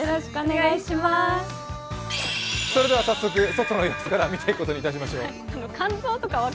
外の様子から見ていくことにいたしましょう。